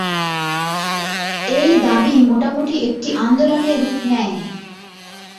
এই দাবী মোটামুটি একটি আন্দোলনে রূপ নেয়।